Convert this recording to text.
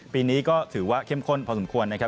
ปีนี้ก็ถือว่าเข้มข้นพอสมควรนะครับ